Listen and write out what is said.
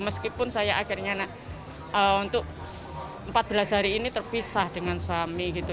meskipun saya akhirnya untuk empat belas hari ini terpisah dengan suami gitu